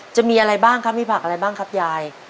จะมีอะไรบ้างครับมีผักอะไรบ้างครับยาย